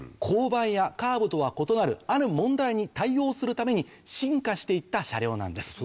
勾配やカーブとは異なるある問題に対応するために進化して行った車両なんです。